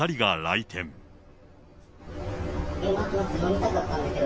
待って待って、飲みたかったんだけど。